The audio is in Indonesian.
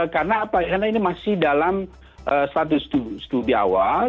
karena ini masih dalam status studi awal